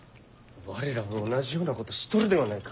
我らも同じようなことしとるではないか。